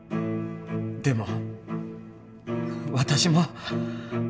でも私も。